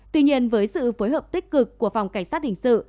tuy nhiên với sự phối hợp tích cực của phòng cảnh sát hình sự